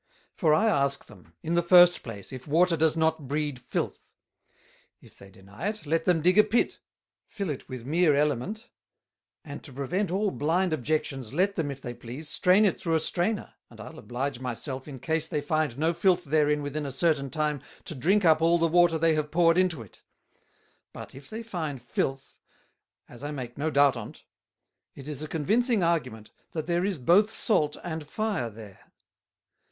For I ask them, in the first place, if Water does not breed Filth: If they deny it, let them dig a Pit, fill it with meer Element, and to prevent all blind Objections let them if they please strain it through a Strainer, and I'll oblige my self, in case they find no Filth therein within a certain time, to drink up all the Water they have poured into it: But if they find Filth, as I make no doubt on't; it is a convincing Argument that there is both Salt and Fire there.